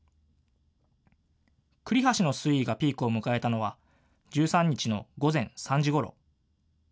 栗橋の水位がピークを迎えたのは１３日の午前３時ごろ。